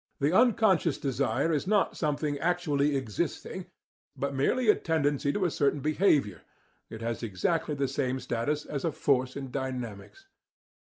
The unconscious desire is not something actually existing, but merely a tendency to a certain behaviour; it has exactly the same status as a force in dynamics.